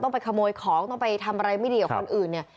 ต้องไปขโมยของต้องไปทำอะไรไม่ดีกับคนอื่น